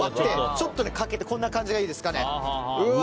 ちょっとかけてこんな感じでいいですかね。